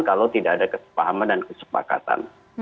kalau tidak ada kesepakatan